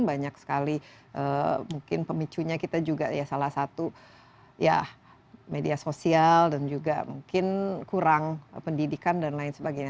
banyak sekali mungkin pemicunya kita juga ya salah satu ya media sosial dan juga mungkin kurang pendidikan dan lain sebagainya